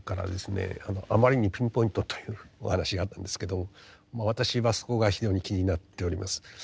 あまりにピンポイントというお話があったんですけども私はそこが非常に気になっております。